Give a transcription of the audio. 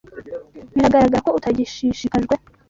Biragaragara ko utagishishikajwe.